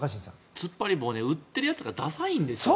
突っ張り棒売ってるやつがださいんですよね。